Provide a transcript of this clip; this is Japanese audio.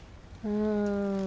うん。